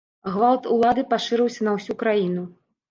Гвалт улады пашырыўся на ўсю краіну.